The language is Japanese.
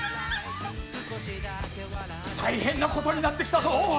大変なことになってきたぞ。